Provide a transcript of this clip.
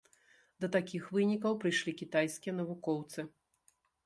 Да такіх вынікаў прыйшлі кітайскія навукоўцы.